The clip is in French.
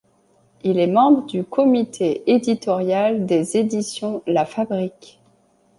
Il est membre du comité éditorial des éditions La Fabrique.